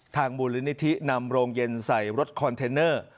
มูลนิธินำโรงเย็นใส่รถคอนเทนเนอร์